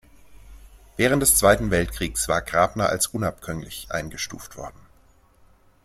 Während des Zweiten Weltkrieges war Grabner als unabkömmlich eingestuft worden.